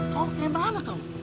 kau kayak mana tau